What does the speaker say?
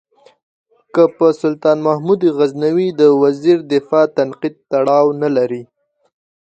که په سلطان محمود غزنوي د وزیر دفاع تنقید تړاو نه لري.